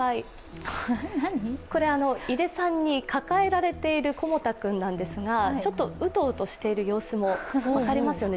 これは井出さんに抱えられているコモ太君なんですが、ちょっとうとうとしている様子も分かりますよね。